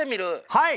はい。